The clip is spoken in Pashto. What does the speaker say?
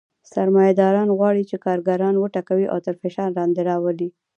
سرمایه داران غواړي چې کارګران وټکوي او تر فشار لاندې راولي